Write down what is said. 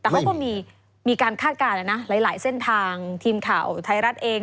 แต่เขาก็มีการคาดการณ์นะหลายเส้นทางทีมข่าวไทยรัฐเอง